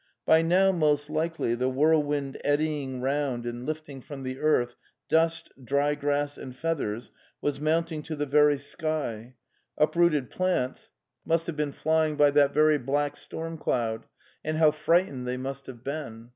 By now, most likely, the whirlwind eddying round and lifting from the earth dust, dry grass and feathers, was mounting to the very sky; uprooted plants must 274 The Tales of Chekhov have been flying by that very black storm cloud, and how frightened they must have been!